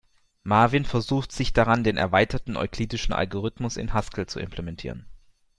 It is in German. Marvin versucht sich daran, den erweiterten euklidischen Algorithmus in Haskell zu implementieren.